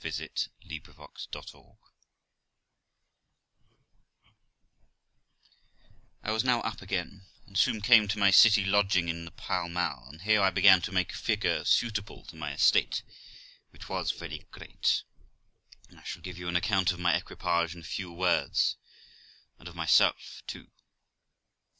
THE LIFE OF ROXANA I was now up again, and soon came to my City lodging in the Pall Mall, and here I began to make a figure suitable to my estate, which was very great; and I shall give you an account of my equipage in a few words, and of myself too.